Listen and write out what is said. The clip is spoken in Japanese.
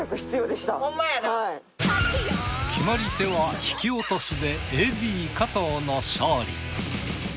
決まり手は引き落としでＡＤ加藤の勝利。